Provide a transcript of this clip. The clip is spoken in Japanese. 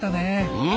うん！